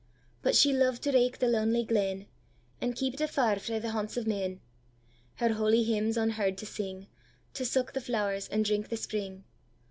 But she loved to raike the lanely glen, And keepèd afar frae the haunts of men; Her holy hymns unheard to sing, To suck the flowers, and drink the spring.